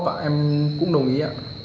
và em cũng đồng ý